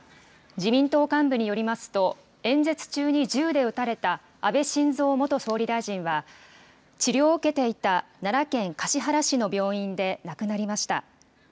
自民党幹部によりますと、演説中に銃で撃たれた安倍晋三元総理大臣は、治療を受けていた奈良県橿原市の病院で亡くなりました。